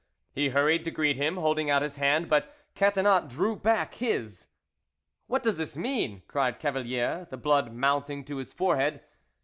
He hurried to greet him, holding out his hand; but Catinat drew back his. "What does this mean?" cried Cavalier, the blood mounting to his forehead.